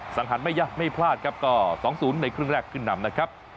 สังหัสไม่ย่ะไม่พลาดครับก็สองศูนย์ในครึ่งแรกขึ้นหน่ำนะครับ